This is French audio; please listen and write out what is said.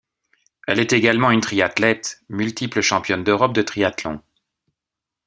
Elle est également une triathlète, multiple championne d'Europe de triathlon.